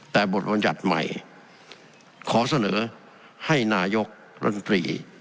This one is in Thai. แต่บทบรรยัติใหม่ขอเสนอให้นายกรัฐมนตรี